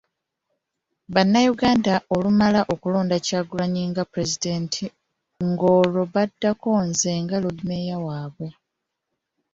Bannayuganda olunaamala okulonda Kyagulanyi nga Pulezidenti ng'olwo baddako nze nga Loodimmeeya waabwe.